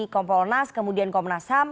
kompolnas kemudian komnas ham